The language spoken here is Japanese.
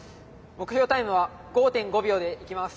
目標タイムは５．５秒でいきます。